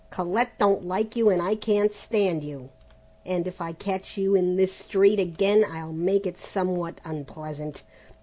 Colette don't like you and I can't stand you, and if I catch you in this street again I'll make it somewhat unpleasant.